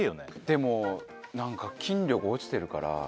でも何か筋力落ちてるから。